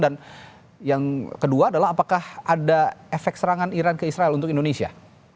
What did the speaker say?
dan yang kedua adalah apakah ada efek serangan iran ke israel untuk indonesia